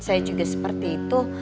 saya juga seperti itu